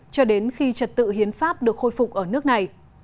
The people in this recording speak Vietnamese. cho đến khi trật tự hiến pháp được khôi phục ở nước này